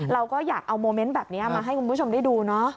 เราก็อยากเอาโมเมนต์แบบนี้มาให้คุณผู้ชมได้ดูเนาะ